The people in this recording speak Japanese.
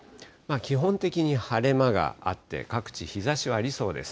基本的に晴れ間があって、各地日ざしはありそうです。